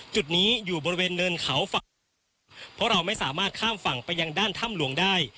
จุดนี้อยู่บริเวณเนินเขาฝั่งเพราะเราไม่สามารถข้ามฝั่งไปยังด้านถ้ำหลวงได้